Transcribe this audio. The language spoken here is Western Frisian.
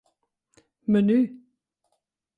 Menu.